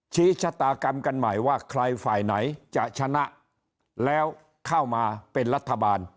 ชี้ชะตากรรมกันใหม่ว่าใครฝ่ายไหนจะชนะแล้วเข้ามาเป็นรัฐบาล